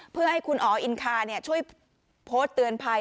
เพื่อให้คุณอ๋ออินคาช่วยโพสต์เตือนภัย